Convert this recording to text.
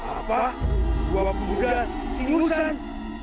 apa dua pemuda ingusan